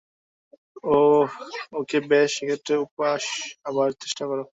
ওহ, okay, বেশ, সেক্ষেত্রে, - উপস-আবার চেষ্টা কর।